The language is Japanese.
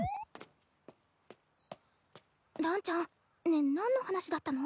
ランちゃんねえ何の話だったの？